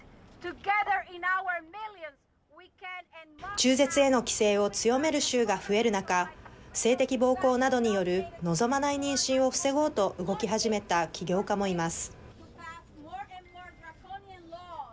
中絶への規制を強める州が増える中性的暴行などによる望まない妊娠を防ごうと動き始めた起業家もいます。